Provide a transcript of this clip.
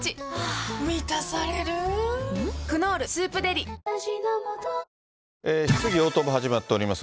⁉ＬＧ２１質疑応答が始まっております。